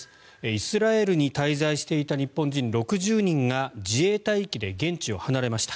イスラエルに滞在していた日本人６０人が自衛隊機で現地を離れました。